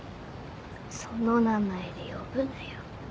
その名前で呼ぶなよ。